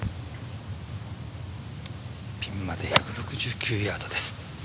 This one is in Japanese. ピンまで１６９ヤードです。